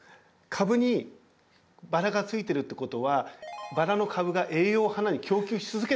株にバラがついてるってことはバラの株が栄養を花に供給し続けないといけないんです。